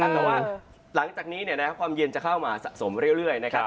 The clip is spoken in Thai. แต่ว่าหลังจากนี้ความเย็นจะเข้ามาสะสมเรื่อยนะครับ